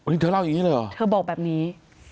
นี่เธอเล่าอย่างนี้เลยเหรอเธอบอกแบบนี้